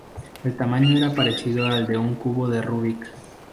El tamaño era parecido al de un cubo de Rubik.